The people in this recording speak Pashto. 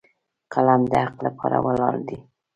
قلم د حق لپاره ولاړ دی